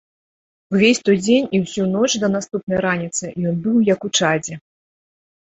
Увесь той дзень і ўсю ноч да наступнай раніцы ён быў як у чадзе.